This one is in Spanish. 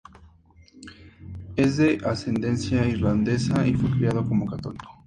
Es de ascendencia irlandesa y fue criado como católico.